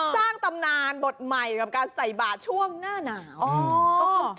สร้างตำนานบทใหม่กับการใส่บาทช่วงหน้าหนาว